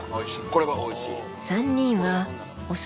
これはおいしい。